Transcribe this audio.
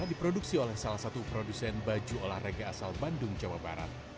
diproduksi oleh salah satu produsen baju olahraga asal bandung jawa barat